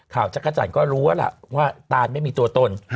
จักรจันทร์ก็รู้ว่าล่ะว่าตานไม่มีตัวตน